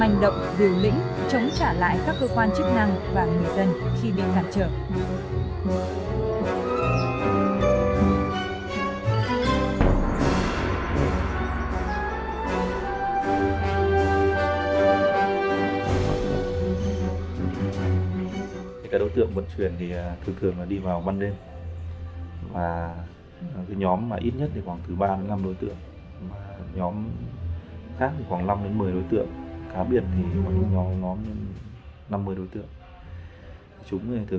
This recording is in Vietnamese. hẹn gặp lại các bạn trong những video tiếp theo